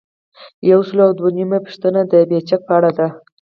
یو سل او دوه نوي یمه پوښتنه د بیجک په اړه ده.